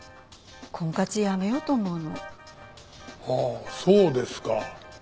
ああそうですか。